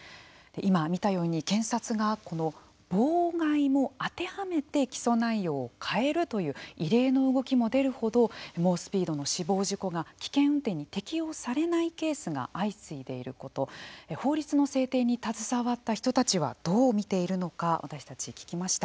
今見たように検察がこの妨害も当てはめて起訴内容を変えるという異例の動きも出るほど猛スピードの死亡事故が危険運転に適用されないケースが相次いでいること法律の制定に携わった人たちはどう見ているのか私たち聞きました。